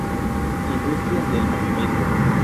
Industrias del movimiento.